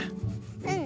うん。